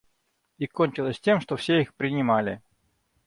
И кончилось тем, что все их принимали.